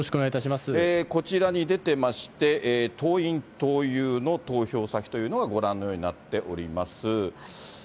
こちらに出てまして、党員・党友の投票先というのがご覧のようになっております。